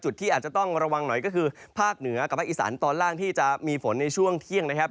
ที่อาจจะต้องระวังหน่อยก็คือภาคเหนือกับภาคอีสานตอนล่างที่จะมีฝนในช่วงเที่ยงนะครับ